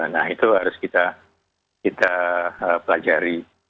nah itu harus kita pelajari